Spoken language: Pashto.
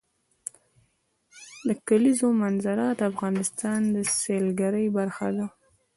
د کلیزو منظره د افغانستان د سیلګرۍ برخه ده.